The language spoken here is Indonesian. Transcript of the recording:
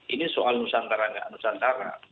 ini soal nusantara nggak nusantara